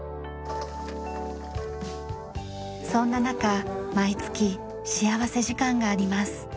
そんな中毎月幸福時間があります。